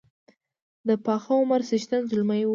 د پاخه عمر څښتن زلمی وو.